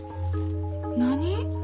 何？